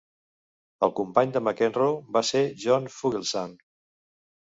El company de McEnroe va ser John Fugelsang.